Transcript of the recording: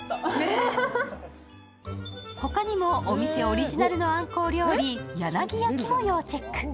他にもお店オリジナルのあんこう料理、やなぎ焼きも要チェック。